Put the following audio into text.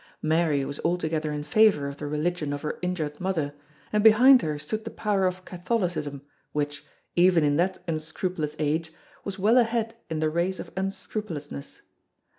Mary was altogether in favour of the religion of her injured mother, and behind her stood the power of Catholicism which, even in that unscrupulous age, was well ahead in the race of unscrupulousness.